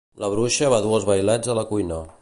La bruixa va dur els vailets a la cuina.